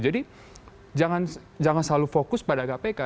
jangan selalu fokus pada kpk